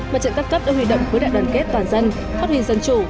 mặt trận cấp cấp được huy động với đại đoàn kết toàn dân phát huyền dân chủ